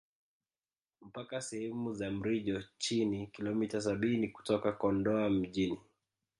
Mpaka sehemu za Mrijo Chini kilometa sabini kutoka Kondoa mjini